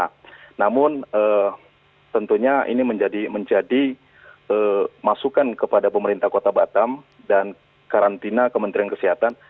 nah namun tentunya ini menjadi masukan kepada pemerintah kota batam dan karantina kementerian kesehatan